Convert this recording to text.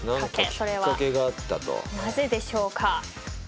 それはなぜでしょうか。